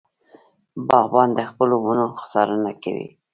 باغبان د خپلو ونو څارنه کوي.